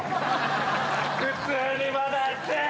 普通にまだ熱い！